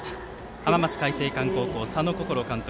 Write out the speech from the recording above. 浜松開誠館高校、佐野心監督